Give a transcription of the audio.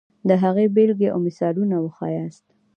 د هغې بېلګې او مثالونه وښیاست.